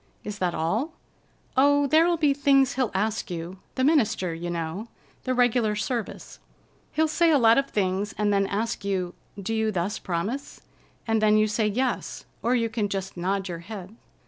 "Is that all?" "Oh, there'll be things he'll ask you—the minister, you know. The regular service. He'll say a lot of things, and then ask you, 'Do you thus promise?' And then you say, 'Yes,' or you can just nod your head."